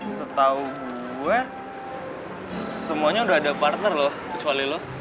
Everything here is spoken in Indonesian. setau gua semuanya udah ada partner loh kecuali lo